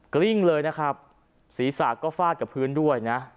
กลิ้งเลยนะครับศีรษะก็ฟาดกับพื้นด้วยนะ